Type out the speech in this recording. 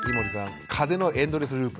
「風邪のエンドレスループ」。